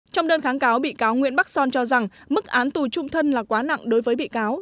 trong đơn kháng cáo bị cáo nguyễn bắc son cho rằng mức án tù trung thân là quá nặng đối với bị cáo